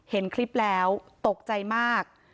เห็นคลิปแล้วตกใจมาก